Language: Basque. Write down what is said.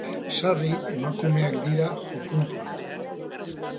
Sarri, emakumeak dira jopuntuan.